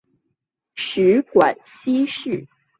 食管憩室。